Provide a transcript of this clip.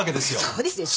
そうですよ。